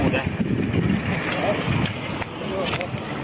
เข้าไปเร็ว